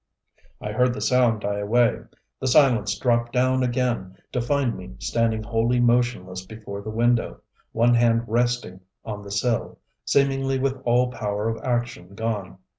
I heard the sound die away. The silence dropped down again to find me standing wholly motionless before the window, one hand resting on the sill, seemingly with all power of action gone.